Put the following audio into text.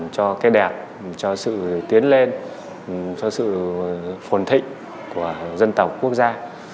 cho cái đẹp cho sự tiến lên cho sự phồn thịnh của dân tộc quốc gia